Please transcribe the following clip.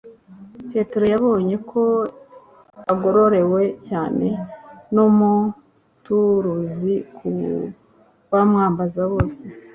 Petero yabonye ko agororewe cyane. Ni « umuturuzi ku bamwambaza bose»,